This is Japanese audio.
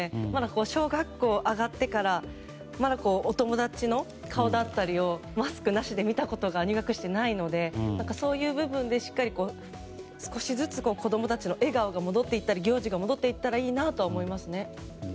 小学校に上がってからまだ、お友達の顔だったりをマスクなしで見たことが入学して以来、ないのでそういう部分でしっかりと少しずつ子供たちの笑顔が戻っていったり、行事が戻ればいいなと思いますね。